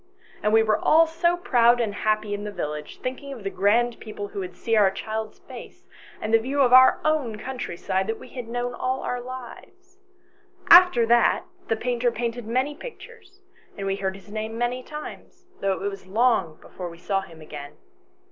And we were all so proud and happy in the village, thinking of the grand people XIL] IN THE PORCH. l'37 who would see our child's face and the view of our own country side that we had known all our lives. After that the painter painted many pictures, and we heard his name many times, though it was long before we saw him again.